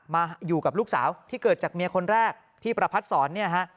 มาอยู่กับลูกสาวที่เกิดจากเมียคนแรกที่ประพัทธ์สอนเนี่ยฮะ